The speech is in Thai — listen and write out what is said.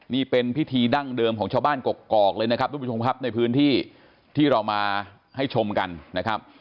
นี่เป็นพิธีดั้งเดิมของชาวบ้านกกอกเลยนะครับทุกผู้ชมครับในพื้นที่ที่เรามาให้ชมกันนะครับ